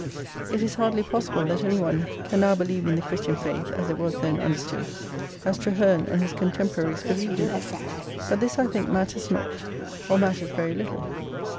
It is hardly possible that any one can now believe in the Christian faith (as it was then understood) as Traheme and his contemporaries believed in it. But this, I think, matters not, or matters very little.